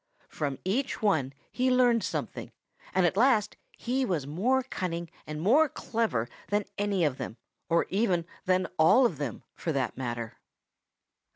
From each one he learned something, and at last he was more cunning and more clever than any of them or even than all of them, for that matter.